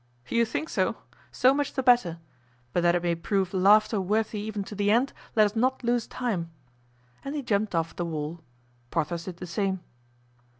"You think so? so much the better; but that it may prove laughter worthy even to the end, let us not lose time." And he jumped off the wall. Porthos did the same.